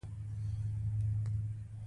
غرمه د نیوي ډوډۍ خوند زیاتوي